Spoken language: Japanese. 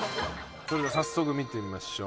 それでは早速見てみましょう。